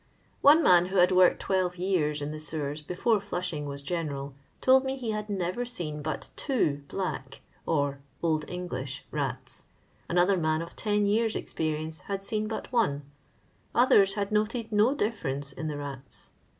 One man, who had worked twelve years in the sewers before flushing was general, told me he *liad never seen but two black (or old English) lats ; another man, of ten years' experience, had aeen but one ; others had noted no difference in the rats.